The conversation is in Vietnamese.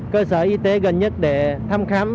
cơ sở y tế gần nhất để thăm khám